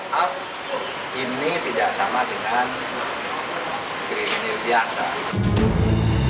maaf ini tidak sama dengan greener biasa